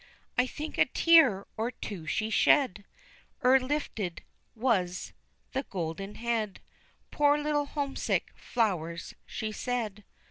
I think a tear or two she shed, Ere lifted was the golden head, "Poor little homesick flowers!" she said.